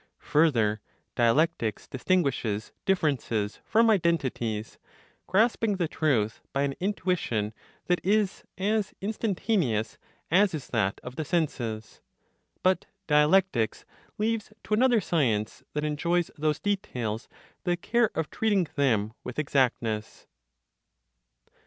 Further, dialectics distinguishes differences from identities, grasping the truth by an intuition that is as instantaneous as is that of the senses; but dialectics leaves to another science, that enjoys those details, the care of treating them with exactness.